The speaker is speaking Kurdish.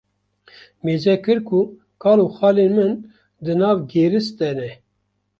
mêze kir ku kal û xalên min di nav gêris de ne